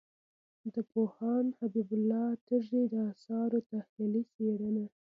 د پوهاند حبیب الله تږي د آثارو تحلیلي څېړنه